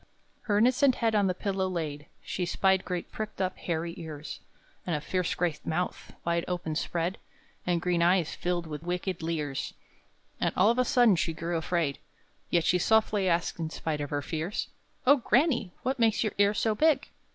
Her innocent head on the pillow laid, She spied great pricked up, hairy ears, And a fierce great mouth, wide open spread, And green eyes, filled with wicked leers; And all of a sudden she grew afraid; Yet she softly asked, in spite of her fears: "Oh, granny! what makes your ears so big?"